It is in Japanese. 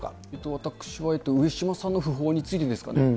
私は上島さんの訃報についてですかね。